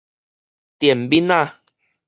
電抿仔